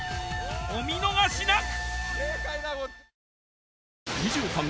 お見逃し無く！